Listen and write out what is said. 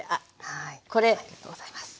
ありがとうございます。